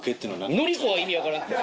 「のりこ」は意味分からんって。